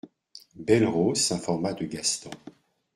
Belle-Rose s'informa de Gaston.